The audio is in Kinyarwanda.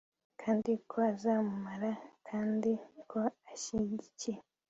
kandi ko azamura kandi ko ashyigikiye